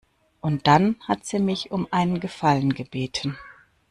Und dann hat sie mich um einen Gefallen gebeten.